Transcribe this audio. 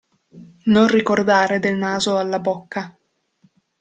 Non ricordare del naso alla bocca.